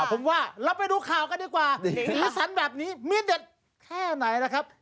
ผมว่าเราไปดูข่าวกันดีกว่าสีสันแบบนี้มีเด็ดแค่ไหนนะครับ